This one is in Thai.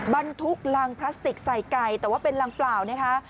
บรรทุกรังพลาสติกใส่ไก่แต่ว่าเป็นรังเปล่านะคะ